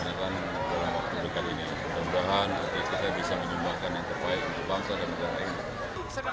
untuk bangsa dan negara ini